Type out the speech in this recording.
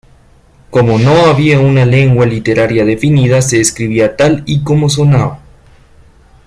Como no había una lengua literaria definida, se escribía tal y como sonaba.